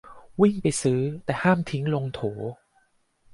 วิ่งไปซื้อ แต่ห้ามทิ้งลงโถ